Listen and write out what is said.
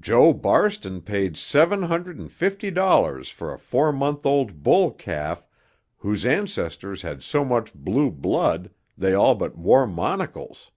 "Joe Barston paid seven hundred and fifty dollars for a four month old bull calf whose ancestors had so much blue blood they all but wore monocles.